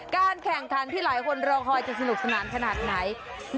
การแข่งขันที่หลายคนรอคอยจะสนุกสนานขนาดไหน